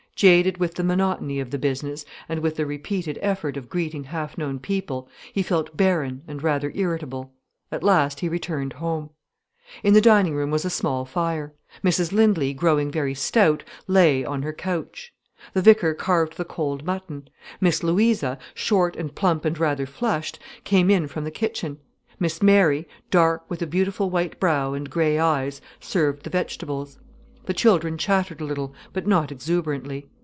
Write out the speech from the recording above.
Jaded with the monotony of the business, and with the repeated effort of greeting half known people, he felt barren and rather irritable. At last he returned home. In the dining room was a small fire. Mrs Lindley, growing very stout, lay on her couch. The vicar carved the cold mutton; Miss Louisa, short and plump and rather flushed, came in from the kitchen; Miss Mary, dark, with a beautiful white brow and grey eyes, served the vegetables; the children chattered a little, but not exuberantly.